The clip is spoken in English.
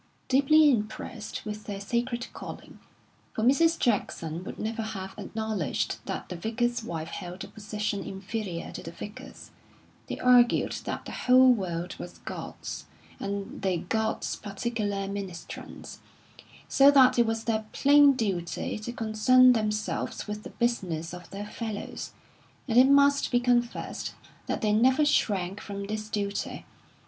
Deeply impressed with their sacred calling for Mrs. Jackson would never have acknowledged that the Vicar's wife held a position inferior to the Vicar's they argued that the whole world was God's, and they God's particular ministrants; so that it was their plain duty to concern themselves with the business of their fellows and it must be confessed that they never shrank from this duty.